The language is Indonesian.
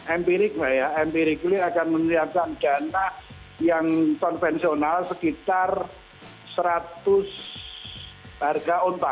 empirically akan menyiapkan dana yang konvensional sekitar seratus harga onpa